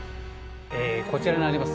こちらになります。